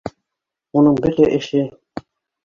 Уның бөтә эше —